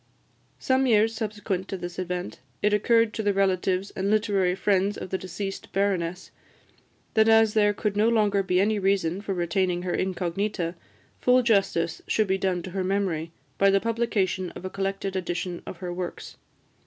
Some years subsequent to this event, it occurred to the relatives and literary friends of the deceased Baroness that as there could no longer be any reason for retaining her incognita, full justice should be done to her memory by the publication of a collected edition of her works.